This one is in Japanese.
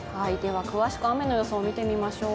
詳しく雨の予想見てみましょう。